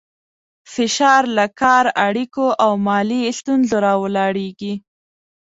فشار له کار، اړیکو او مالي ستونزو راولاړېږي.